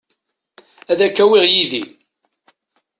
Ad k-awiɣ yid-i.